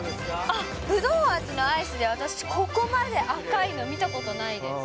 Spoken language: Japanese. あっ、ぶどう味のアイスで、私、ここまで赤いの見たことないです。